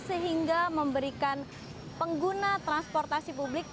sehingga memberikan pengguna transportasi publik